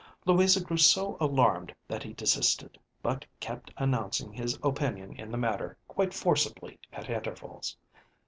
Louisa grew so alarmed that he desisted, but kept announcing his opinion in the matter quite forcibly at intervals.